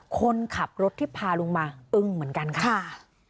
คนขับรถที่พาลุงมาอึ้งเหมือนกันค่ะ